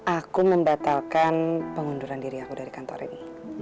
aku membatalkan pengunduran diri aku dari kantor ini